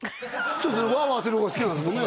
そうですねワーワーする方が好きなんですもんね